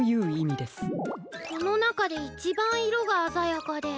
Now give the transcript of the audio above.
このなかでいちばんいろがあざやかで。